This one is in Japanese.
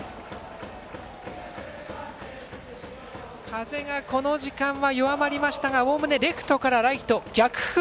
風が、この時間は弱まりましたがおおむねレフトからライト、逆風。